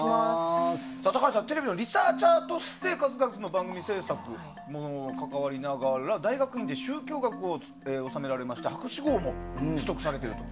高橋さんテレビのリサーチャーとして数々の番組制作に関わりながら大学院で宗教学を修められまして博士号も取得されていると。